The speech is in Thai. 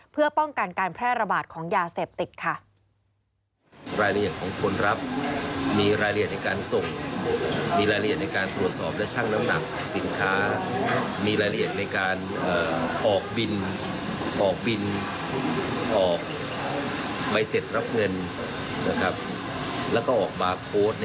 เพื่อป้องกันการแพร่ระบาดของยาเสพติดค่ะ